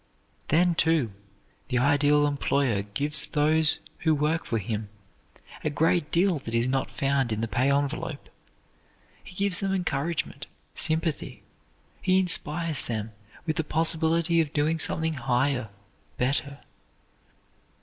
Then, too, the ideal employer gives those who work for him a great deal that is not found in the pay envelope. He gives them encouragement, sympathy. He inspires them with the possibility of doing something higher, better.